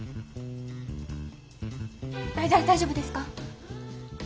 大大丈夫ですか？